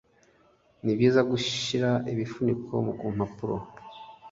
Nibyiza gushira ibifuniko kumpapuro.